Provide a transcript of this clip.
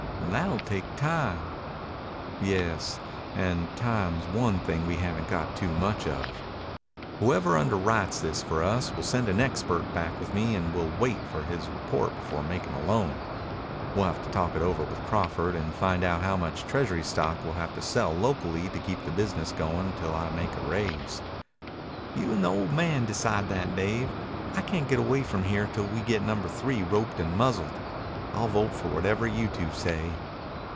"That'll take time." "Yes. And time's one thing we haven't got any too much of. Whoever underwrites this for us will send an expert back with me and will wait for his report before making a loan. We'll have to talk it over with Crawford and find out how much treasury stock we'll have to sell locally to keep the business going till I make a raise." "You and the old man decide that, Dave. I can't get away from here till we get Number Three roped and muzzled. I'll vote for whatever you two say."